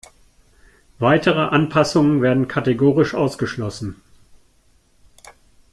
Weitere Anpassungen werden kategorisch ausgeschlossen.